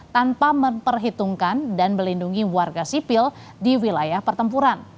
tanpa memperhitungkan dan melindungi warga sipil di wilayah pertempuran